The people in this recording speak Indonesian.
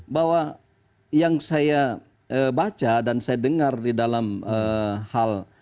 bahwa yang saya baca dan saya dengar di dalam hal